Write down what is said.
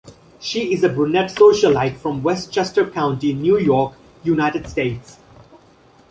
She is a brunette socialite from Westchester County, New York, United States.